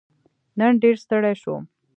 نن ډېر ستړی شوم